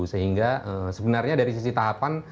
sehingga sebenarnya dari sisi tahapan